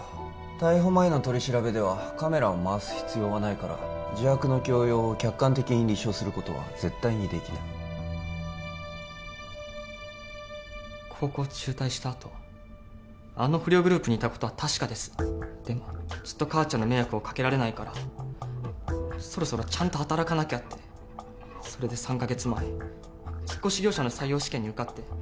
逮捕前の取り調べではカメラを回す必要はないから自白の強要を客観的に立証することは絶対にできない高校を中退したあとあの不良グループにいたことは確かですでもずっと母ちゃんにも迷惑をかけられないからそろそろちゃんと働かなきゃってそれで３カ月前引っ越し業者の採用試験に受かって